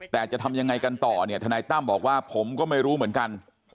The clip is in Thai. แต่จะทำยังไงกันต่อเนี่ยทนายตั้มบอกว่าผมก็ไม่รู้เหมือนกัน